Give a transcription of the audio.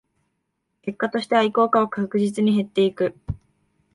結果として愛好家は確実に減っていく